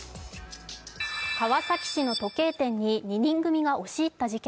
川崎市の時計店に２人組が押し入った事件。